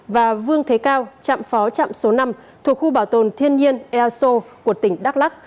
và vương thế cao trạm phó trạm số năm thuộc khu bảo tồn thiên nhiên elso của tỉnh đắk lắc